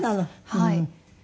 はい。